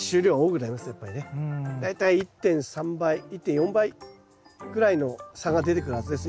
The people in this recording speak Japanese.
大体１．３倍１．４倍くらいの差が出てくるはずです